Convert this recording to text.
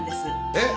えっ？